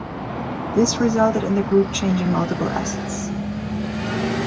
This resulted in the group changing multiple assets.